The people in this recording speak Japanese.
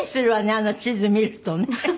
あの地図見るとね